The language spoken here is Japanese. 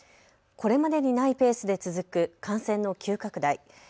これまでにないペースで続く感染の急拡大。